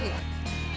ini memang enak